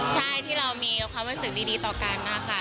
ใช่ที่เรามีความรู้สึกดีต่อกันนะคะ